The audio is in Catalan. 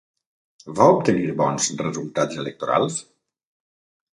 Va obtenir bons resultats electorals?